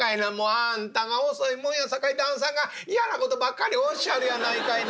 あんたが遅いもんやさかい旦さんが嫌な事ばっかりおっしゃるやないかいな。